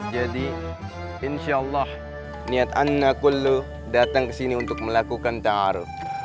jadi insyaallah niat anna kullu datang ke sini untuk melakukan ta'aruk